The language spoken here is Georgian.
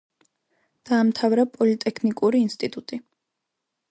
დაამთავრა პოლიტექნიკური ინსტიტუტი.